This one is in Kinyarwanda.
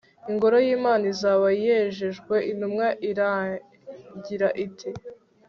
Ingoro yImana izaba yejejwe Intumwa iragira iti